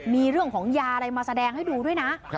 มีเรื่องของยาอะไรมาแสดงให้ดูด้วยนะ